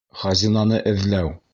ХАЗИНАНЫ ЭҘЛӘҮ.